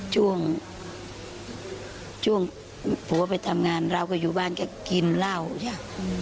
ช่วงช่วงผัวไปทำงานเราก็อยู่บ้านแค่กินราวใช่ไหม